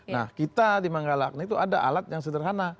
nah kita di manggalakna itu ada alat yang sederhana